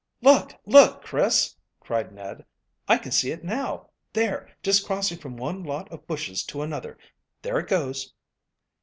"Look, look, Chris," cried Ned; "I can see it now there, just crossing from one lot of bushes to another. There it goes."